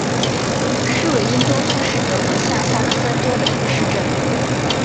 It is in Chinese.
施韦因多夫是德国下萨克森州的一个市镇。